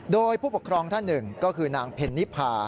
โดยผู้ปกครองท่านหนึ่งก็คือนางเพนนิพา